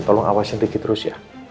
tolong awasin dikit terus ya